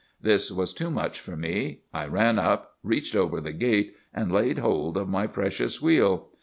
"'This was too much for me. I ran up, reached over the gate, and laid hold of my precious wheel.